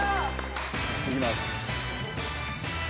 「いきます」